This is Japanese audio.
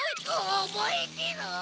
おぼえてろ！